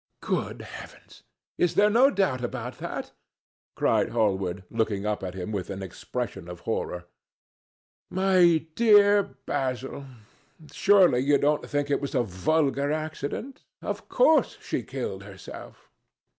Good heavens! is there no doubt about that?" cried Hallward, looking up at him with an expression of horror. "My dear Basil! Surely you don't think it was a vulgar accident? Of course she killed herself."